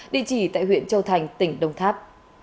địa chỉ tại huyện châu thành tỉnh đồng tháp